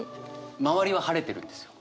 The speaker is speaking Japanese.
周りは晴れてるんですよ。